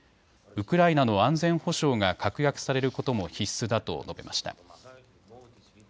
ウクライナの安全保障が確約されることも必須だと述べました。